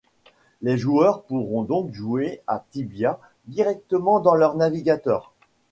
Les joueurs pourront donc jouer à Tibia directement dans leur navigateur.